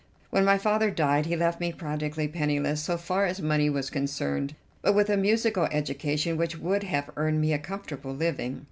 When my father died he left me practically penniless so far as money was concerned, but with a musical education which would have earned me a comfortable living.